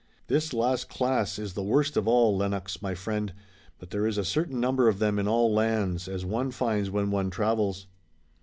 This last class is the worst of all, Lennox, my friend, but there is a certain number of them in all lands, as one finds when one travels."